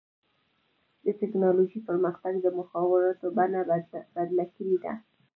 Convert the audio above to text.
د ټکنالوجۍ پرمختګ د مخابراتو بڼه بدله کړې ده.